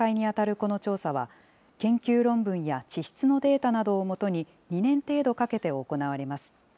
この調査は、研究論文や地質のデータなどを基に、２年程度かけて行われます。